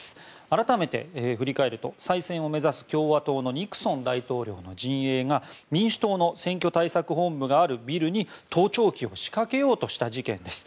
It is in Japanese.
改めて振り返ると再選を目指す共和党のニクソン大統領の陣営が民主党の選挙対策本部があるビルに盗聴器を仕掛けようとした事件です。